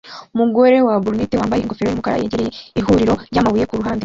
Umugore wa brunette wambaye ingofero yumukara yegereye ihuriro ryamabuye kuruhande